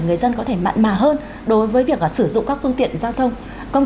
người dân có thể mạnh mà hơn đối với việc sử dụng các phương tiện giao thông công